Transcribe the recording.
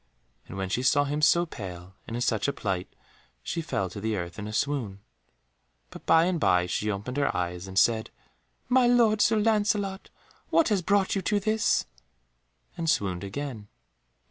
And when she saw him so pale, and in such a plight, she fell to the earth in a swoon, but by and by she opened her eyes and said, "My lord Sir Lancelot, what has brought you to this?" and swooned again.